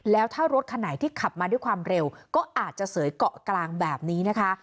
แล้วถ้ารถคันไหนที่ขับมาด้วยความเร็วก็อาจจะเสยเกาะกลางแบบนี้นะคะ